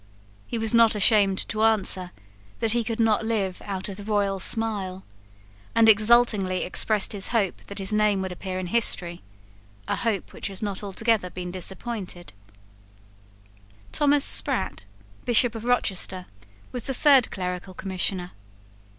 He was not ashamed to answer that he could not live out of the royal smile, and exultingly expressed his hope that his name would appear in history, a hope which has not been altogether disappointed. Thomas Sprat, Bishop of Rochester, was the third clerical Commissioner.